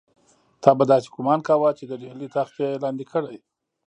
تا به داسې ګومان کاوه چې د ډهلي تخت یې لاندې کړی.